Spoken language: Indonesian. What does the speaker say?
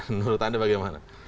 menurut anda bagaimana